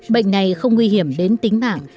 bệnh này không nguy hiểm đến tính mạng